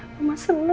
mama senang ya